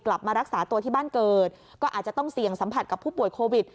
กลับมารักษาตัวที่บ้านเกิดก็อาจจะต้องเสี่ยงสัมผัสกับผู้ป่วยโควิด